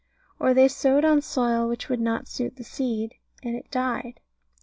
Or they sowed on soil which would not suit the seed, and it died.